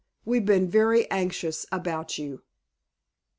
We've been very anxious about you."